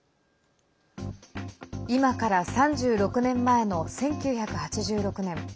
今から３６年前の１９８６年。